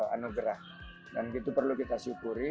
anugerah dan itu perlu kita syukuri